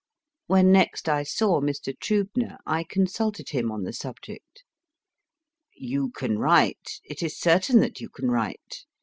When next I saw Mr. Triibner I consulted him on the subject. 1 You can write it is certain that you can write.